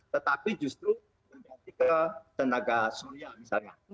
tetapi justru menghemat ke tenaga soya misalnya